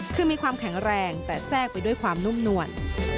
คือมีความแข็งแรงแต่แทรกไปด้วยความนุ่มนวล